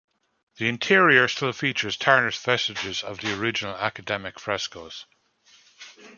The interior still features tarnished vestiges of the original academic frescoes.